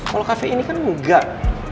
kalau kafe ini kan mugak